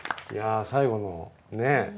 いや最後のね